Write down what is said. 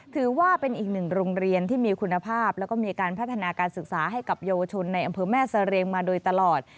ถือว่าเป็นอีกหนึ่งโรงเรียนที่มีคุณภาพแล้วก็มีการพัฒนาการศึกษาให้กับเยาวชนในอำเภอแม่เสรียงมาโดยตลอด